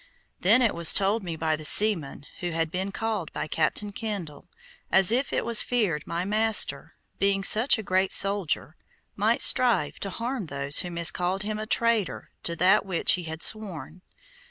Then it was told me by the seaman who had been called by Captain Kendall, as if it was feared my master, being such a great soldier, might strive to harm those who miscalled him a traitor to that which he had sworn.